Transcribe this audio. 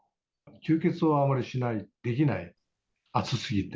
吸血をあまりしない、できない、暑すぎて。